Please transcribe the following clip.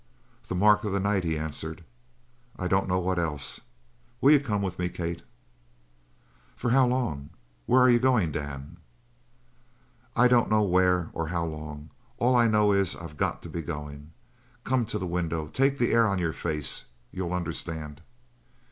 "The mark of the night," he answered. "I don't know what else. Will you come with me, Kate?" "For how long? Where are you going, Dan!" "I don't know where or how long. All I know is I've got to be going. Come to the window. Take the air on your face. You'll understand!"